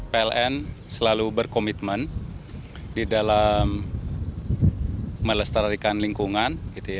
pln selalu berkomitmen di dalam melestarikan lingkungan